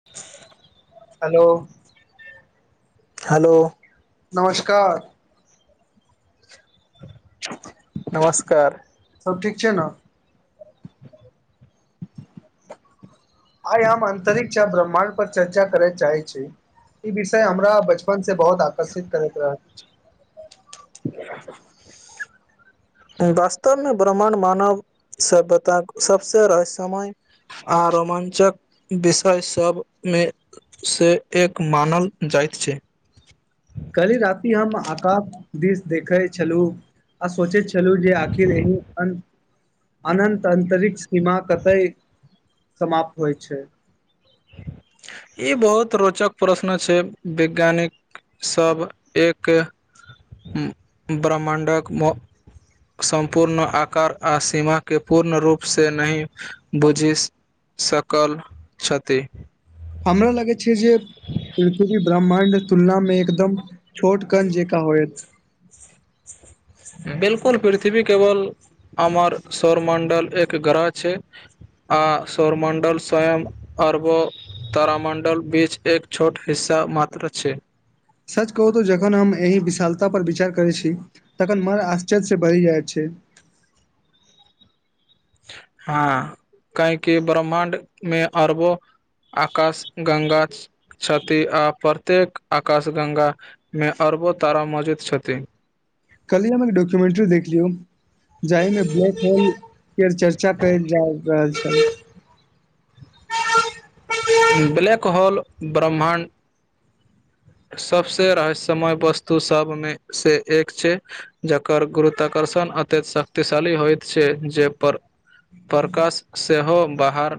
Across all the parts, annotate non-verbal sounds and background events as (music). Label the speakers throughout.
Speaker 1: (unintelligible)
Speaker 2: Hello
Speaker 1: hello
Speaker 2: नमस्कार
Speaker 1: नमस्कार
Speaker 2: सब ठीक छै ने
Speaker 1: (inaudible)
Speaker 2: आइ हम अतरिक्ष आ ब्रह्मण्ड पर चर्चा करै चाहे छी ई विषय हमरा बचपन से बहुत आकर्षित करैत रहल
Speaker 1: वास्तवमे ब्रह्मा्ड मानव सभ्यताक सबस रहस्यमय आ रोमाञ्चक विषय सभमे से एक मानल जाइत छै
Speaker 2: कालहि राति हम आकाश दिश देखे छलुँ आ सोचे छलहूँ चलू जे आखिर एहि अनन्तंतरिक्ष सीमा कतय समाप्त होइ छै
Speaker 1: ई बहुत रोचक प्रश्न छै वैज्ञानिक सभ एक ब्रह्मण्डक म- सम्पूर्ण आकार आ सीमा के पूर्ण रूप से नहि बुझि सकल ते
Speaker 2: हमरा लागै छै जे पृथ्वी ब्रह्म- -माण्ड तुलना मे एकदम छोट कन जेका होयत
Speaker 1: बिल्कुल पृथ्वी केवल हमर सौर मण्डल एक ग्रह छै आ सौरमण्डल स्वयं आरबो तरामण्डल बीच एक छोट हिस्सा मात्र छै
Speaker 2: सच कहू तऽ जखन हम एहि विशालता पर विचार करै छी तखन मन आश्चर्यसँ भरि जाइ छै
Speaker 1: हाँ काहे कि ब्रह्माण्ड मे अरबो आकाश गङ्गा छै छथि आ प्रत्येक आकाश गङ्गामे अरबो तारा मौजूद छथि
Speaker 2: कालिह हम एक डॉक्यूमेंट्री देखलियौ जाहि मे ब्लैक होल चर्चा केर जा रहल छल
Speaker 1: ब्लैक होल ब्रह्मण्ड सभसँ रहस्यमय वस्तु सभमे से एक छै जकर गुरुत्वाकर्षण अत्यंत शक्तिशाली होइत छै जे पर प्रकाश सेहो बाहर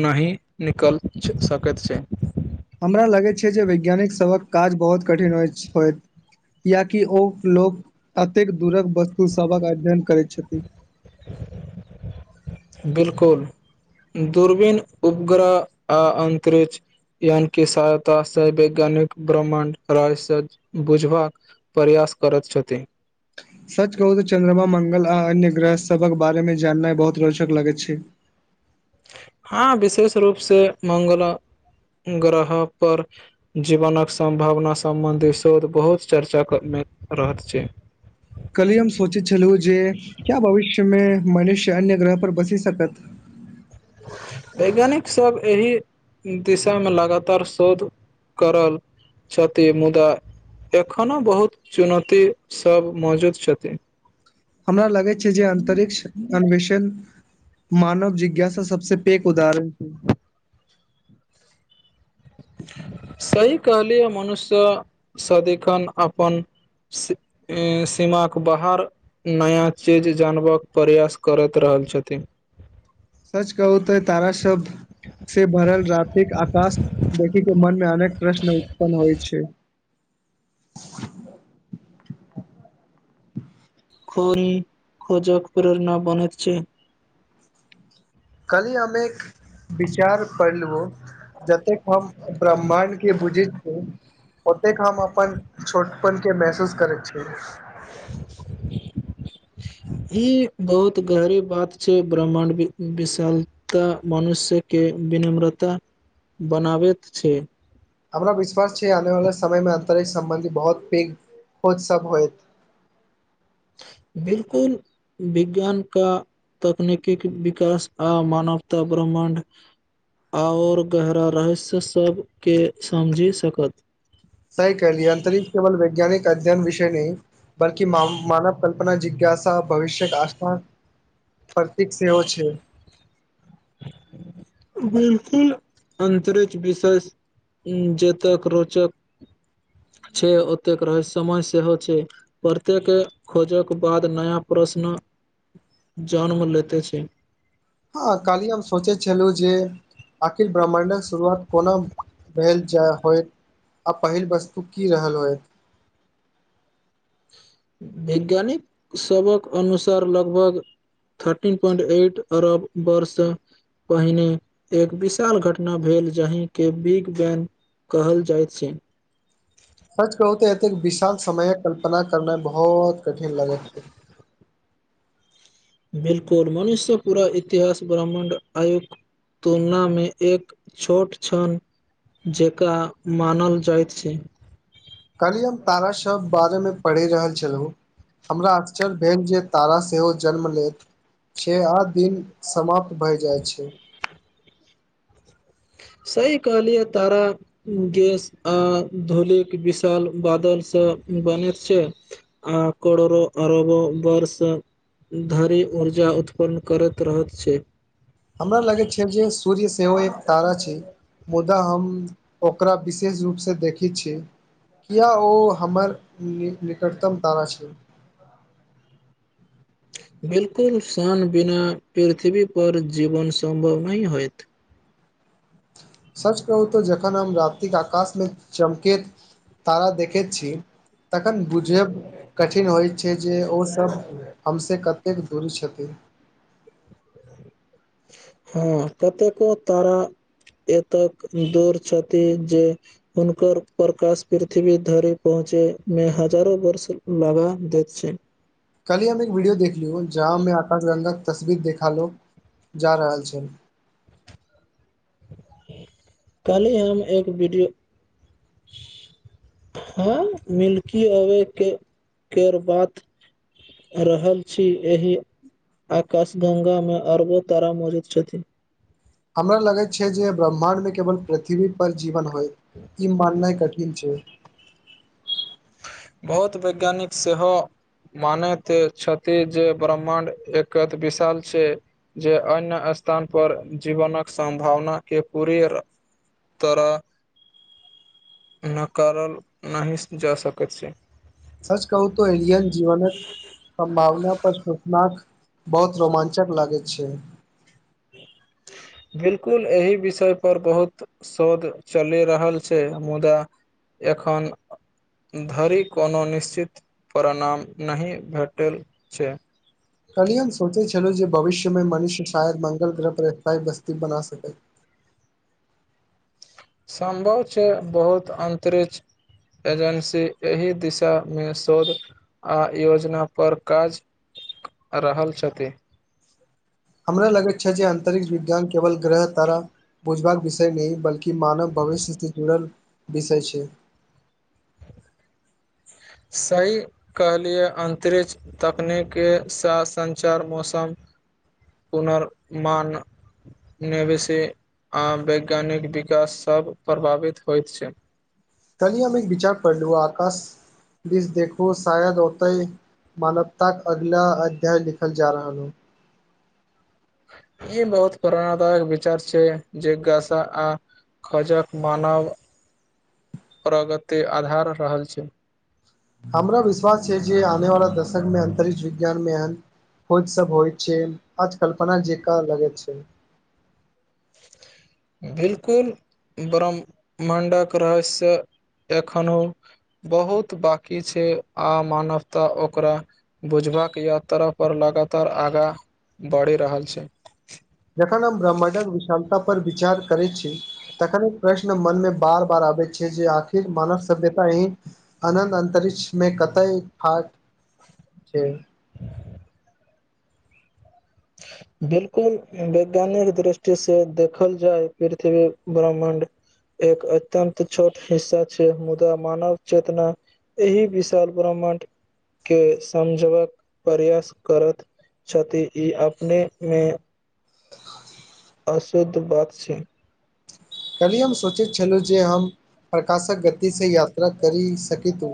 Speaker 1: नहि निकल सकैत छै
Speaker 2: हमरा लगैत छै जे वैज्ञानिकसभक काज बहुत कठिन होइत होइत कियकि ओ लोक अतेक दूरक वस्तुसभक अध्ययन करैत छथिन (inaudible)
Speaker 1: बिल्कुल दूरबीन उपग्रह आ अन्तरिक्ष यानि कि सहायतासँ वैज्ञानिक ब्रह्माण्ड राज बुझबाक प्रयास करत छथि
Speaker 2: सच कहू तऽ चंन्द्रमा मंगल आ अन्य ग्रह सबक बारे मे जाननाइ बहुत रोचक लगै छै
Speaker 1: हाँ विशेष रूप से मंगल ग्रह पर जीवनक सम्भावना सम्बन्धी शोध बहुत चर्चामे रहैत छै
Speaker 2: काल्हि हम सोचैत छलू जे क्या भविष्यमे मनुष्य अन्य ग्रह पर बसी सकत
Speaker 1: वैज्ञानिकसभ एहि दिशामे लगातार शोध करल छथि मुदा एखनो बहुत चुनौतीसभ मौजूद छथि
Speaker 2: हमरा लागै छै जे अंतरिक्ष अन्वेषण मानव जिज्ञासा सबस पैेघ उदाहरण
Speaker 1: सही कहलियै मनुष्य सदिखन अपन स-सीमाके बाहर नया चीज जानबाक प्रयास करैत रहल छथिन
Speaker 2: सच कहू तै तारा शबद से भरल रातिक आकाश देखिक के मनमे अनेक प्रश्न उत्पन्न होइ छै
Speaker 1: खोनी खोजक प्रेरणा बनेत छै
Speaker 2: कलहि हम एक विचार पढ़लूं जतेक हम ब्रह्ममांड के बुझैत छै ओतेक हम अपन छोटपनके महसूस करै छिइ (inaudible)
Speaker 1: ई बहुत गहरी बात छै ब्रहाण्ड विशालता मनुष्य के विनम्रता बनाबैत छै
Speaker 2: हमरा विश्वास छै आने वाले समय मे अंतरिक सम्बंधी बहुत पैघ खोज सब होत
Speaker 1: बिल्कुल विज्ञान का तकनीकी विकास आ मानवता ब्रह्मण्ड आओर गहरा रहस्य सबके समझि सकत
Speaker 2: सही कहलिये अन्तरिक्ष केवल वैज्ञानिक अध्ययन विषय नहि बल्कि माव-मानव कल्पना जिज्ञासा भविष्यक आस्था परतीक सेहो छै
Speaker 1: बिल्कुल अन्तरिक्ष विषय जतक रोचक छै ओतेक रहस्यमय सेहो छै प्रतेक खोजक बाद नया प्रश्न जन्म लेैते छै
Speaker 2: हाँ काल्हि हम सोचे छलौ जँ अखिर ब्राह्मण्डक शुरुआत कोना भेल जाय होइत आ पहिल वस्तु कि रहल होय
Speaker 1: वैज्ञानिक सभक अनुसार लगभग थर्टीन पोइंट एट अरब वर्षसँ पहिने एक विशाल घटना भेल जाहिंके बिग बैन कहल जाइत छै
Speaker 2: सच कहूते एतेक विशाल समय कल्पना करनाय बहुत कठिन लागैत छै
Speaker 1: बिल्कुल मनुष्य पूरा इतिहास ब्राह्मण आयुक तुलनामे एक छोट छन जेका मानल जाइत छै
Speaker 2: कल्हि हम तारासब बारेमे पढ़ि रहल छलहूँ हमरा आश्चर्य भेल जँ तारा सेहो जन्म लेैत छे आ दिन समाप्त भए जाइ छै
Speaker 1: सही कहलिए तारा गैस आ धूलिक विशाल बादलसँ बनैत छै आ करोरो अरबो वर्षसँ धरि ऊर्जा उत्पन्न केरत रहत छै
Speaker 2: हमरा लागैत छै जँ सूर्य सेहो एक तारा छै मुदा हम ओकरा विशेष रूपसँ देखी छे किया ओ हमर नहि निकटतम तारा छे
Speaker 1: बिल्कुल शान बिना पृथ्वीपर जीवन सम्भव नहि होइत
Speaker 2: सच कहू तऽ जखन हम रातिके आकाशमे चमकेत तारा देखैत छी तखन बुझब कठिन होइत छै जँ ओसभ हमसँ कतेक दूरी छथिन
Speaker 1: हाँ कतेको तारा एतक दूर छथि जँ हुनकर प्रकाश पृथ्वी धरि पहुँचैमे हजारो वर्ष लगा दैत छै
Speaker 2: काल्हि हम एक वीडियो देखलियो जहाँ में आकाशगंगाके तस्वीर देखालो जा रहल छल
Speaker 1: काल्हि हम एक वीडियो हाँ मिल्की आवे कऽ केर बात रहल छी एहि आकाशगंगामे अरबो तारा मौजुद छथिन
Speaker 2: हमरा लागैत छै जँ ब्रह्माणडमे केवल पृथ्वी पर जीवन होइत ई माननाय कठिन छै
Speaker 1: बहुत वैज्ञानिक सेहो मानैत तऽ छथि जँ ब्रह्माण्ड एकत विशाल छै जे अन्य स्थान पर जीवनक सम्भावना के पुरेर तरह नकारल नहि जा सकैत छै
Speaker 2: सच कहू तऽ एलियन जीवनक सम्भावना पर सोचलाक बहुत रोमांचक लागैय छैय (inaudible)
Speaker 1: बिल्कुल अहि विषय पर बहुत शोध चलि रहल छैय मुदा एखन धरि कोनो निश्चित परिणाम नही भेटल छै
Speaker 2: काल्हि हम सोंचैय छलौं जे भविष्य मे मनुष्य शायद मंगल ग्रह पर असथायी बस्ती बना सकै
Speaker 1: सम्भव छै बहुत अन्तरिछ एजेनसी एहि दिशामे सोध आ योजना पर काज (inaudible) रहल छथि
Speaker 2: हमरा लगै छै जे अंतरिक्ष विज्ञान केवल ग्रह तारा बुझबाक विषय नहि, बल्कि मानव भविष्य से जुरल विषय छै।
Speaker 1: सही कहलियै अन्तरिछ तकनीक के साथ संचार मौसम पुनरमान नैवेशी आ वैज्ञानिक विकास सब प्रभावित होइत छैय।
Speaker 2: काल्हि हम एक विचार पढ़लूं आकाश दिस देखु शायद ओतय मानवताक अगिला अध्याय लिखल जा रहल हो
Speaker 1: इ बहुत बराबर विचार छै जेगासा आ खोजक मानव प्रगति आधार रहल छै
Speaker 2: हमरा विश्वास छै, जे आनेवला दशकमे अन्तरिक्ष विज्ञानमे एहन खोज सब होय छै, आज कल्पना जेकां लगै छैय
Speaker 1: बिल्कुल ब्रह्ममांडक रहस्य एखनौ बहुत बांकी छै आ मानवता ओकरा बुझबाक यात्रा पर लगातार आगाँ बढ़ी रहल छै
Speaker 2: जखन हम ब्रह्मांडक विशालता पर विचार करै छी तखन प्रश्न मनमे बार बार आबैत छै जे आखिर मानव सभ्यता हीं अनन्द अन्तरिक्ष मे कतय फाट छै (inaudible)
Speaker 1: बिल्कुल वैज्ञानिक दृष्टि से देखल जाय पृथ्वी ब्रह्मण्ड एक अत्यन्त छोट हिस्सा छै मुदा मानव चेतना एहि विशाल ब्रह्माण्ड के समझबक प्रयास करत छथी इ अपनेमे अशुद्ध बात छै
Speaker 2: काल्हि हम सोचैत छलौं जे हम प्रकाशक गतिसँ यात्रा करी सकितौं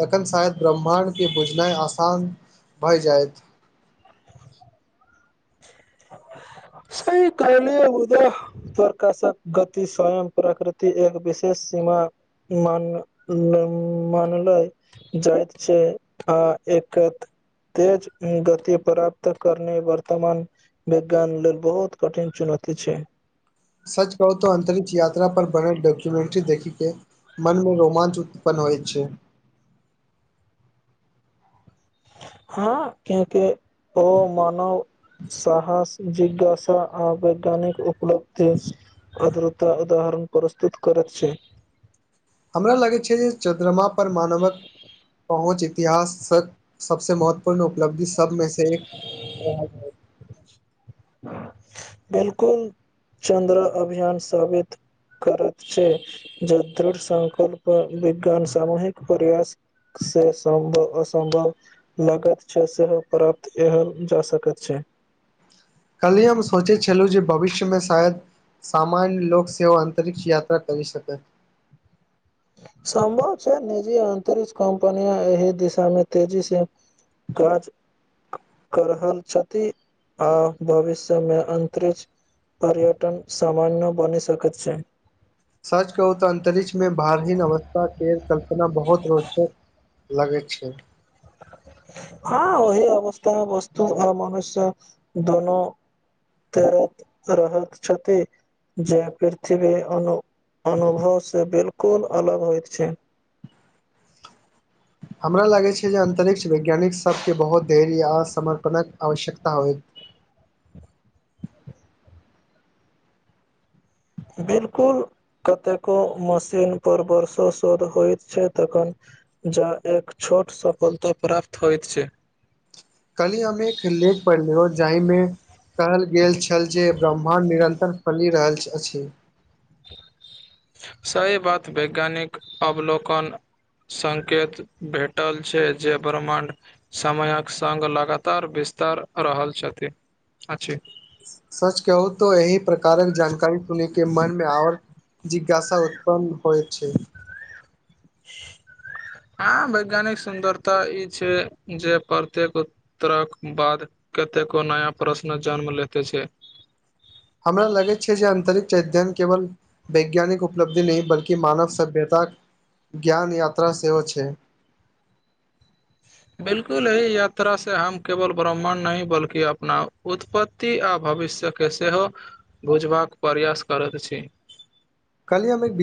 Speaker 2: तखन शायद ब्रह्माण्डके बुझनाय आसान भय जायत
Speaker 1: सही कहलियौ मुदा प्रकाशक गति शांत प्राकृति एक विशेष सीमा मान नैय मानलय जाइत छै आ एकत तेज ऊं गति प्राप्त करने वर्तमान विज्ञान लेल बहुत कठिन चुनौती छै
Speaker 2: सच कहु त अंतरिक्ष यात्रा पर बनल डॉक्यूमेंट्री देखि के मनमे रोमांच उत्पन्न होय छैय
Speaker 1: हाँ कियाकि ओ मानव साहस जिज्ञासा आ वैज्ञानिक उपलब्धि अद्रता उदाहरण प्रस्तुत करैत छै
Speaker 2: हमरा लगैत छै जे चन्द्रमा पर मानवक पहुँच इतिहास सबसे महत्वपूर्ण उपलब्धि सबमे से एक
Speaker 1: बिल्कुल चन्द्रअ अभियान साबित करत छै। जे दृढ़ संकल्प विज्ञान सामुहिक प्रयास से सम्भव असम्भव लागत छै सेहो प्राप्त एहन जा सकैत छै
Speaker 2: काल्हि हम सोचै छलहुँ जे भविष्यमे शायद सामान्य लोक सेवा अंतरिक्ष यात्रा करि सके
Speaker 1: सम्भव छै निजी अंतरिक्ष कम्पनिया एहि दिशा मे तेजी से काज क रहल छथि आ भविष्यमे अन्तरिक्ष पर्यटन सामान्य बनि सकैत छै
Speaker 2: सच कहु तऽ अंतरिक्ष में भारहीन अवस्था के कल्पना बहुत रोचक लगै छै
Speaker 1: हाँ ओहि अवस्थामे वस्तु आ मनुष्य दुनू तें रहत छथि जे पृथ्वी अनु- अनुभवसँ बिल्कुल अलग होइत छै
Speaker 2: हमरा लागै छै जे अन्तरिक्ष वैज्ञानिकसभके बहुत धैर्य समर्पणक आवश्यकता होइ
Speaker 1: बिल्कुल कतेको मशीन पर वर्षो शोध होइत छै तखन जँ एक छोट सफलता प्राप्त होइत छै
Speaker 2: काल्हि हम एक लेख पढ़लूं हन जाहिमे कहल गेल छल जे ब्रह्माण्ड निरन्तर फैलि रहल अछि (inaudible)
Speaker 1: सही बात वैज्ञानिक अवलोकन संकेत भेटल छै जे ब्र्मण्ड समयक सङ्ग लगातार बिस्तार रहल छथि अछि
Speaker 2: सच कहू तो एहिह प्रकारक जानकारी सुनी के मनमे आओर जिज्ञासा उत्पन्न हो छै (inaudible)
Speaker 1: हाँ वैज्ञानिक सुन्दरता ई छै जे प्रत्येक तरक बाद कतेको नया प्रश्न जन्म लेते छै
Speaker 2: हमरा लगै छै जे अंतरिक चैत्यन केवल वैज्ञानिक उपलब्धि नहि बलकि मानव सभ्यता ज्ञान यात्रा सेहो छै
Speaker 1: बिल्कुल ही यात्रा से हम केवल ब्रह्मांड नहि बल्कि अपना उत्पत आ भविष्यक सेहो बुझबाक प्रयास करह छी
Speaker 2: काल्हि हम एक